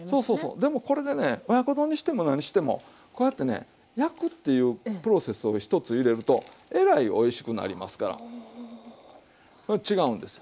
でもこれでね親子丼にしても何してもこうやってね焼くっていうプロセスを１つ入れるとえらいおいしくなりますから違うんですよ。